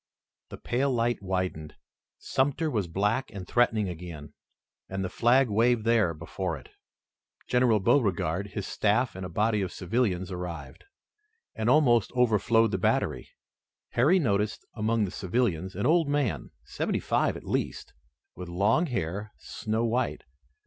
The pale light widened. Sumter was black and threatening again, and the flag waved there before it. General Beauregard, his staff and a body of civilians arrived, and almost overflowed the battery. Harry noticed among the civilians an old man, seventy five at least, with long hair, snow white.